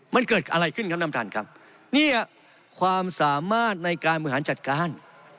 มันเกิดอะไรขึ้นครับท่านท่านครับเนี่ยความสามารถในการบริหารจัดการ